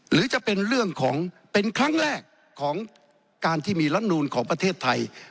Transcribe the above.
หรือจะเป็นเรื่องของเป็นครั้งแรกของการที่มีรัฐนูลของประเทศไทย